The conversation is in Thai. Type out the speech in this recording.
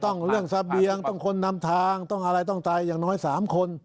เรื่องเสบียงต้องคนนำทางต้องอะไรต้องตายอย่างน้อย๓คน